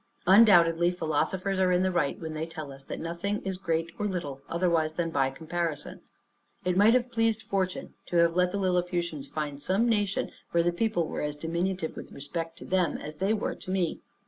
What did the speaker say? Undoubtedly philosophers are in the right when they tell us that nothing is great or little otherwise than by comparison. It might have pleased fortune, to have let the Lilliputians find some nation where the people were as diminutive with respect to them, as they were to me.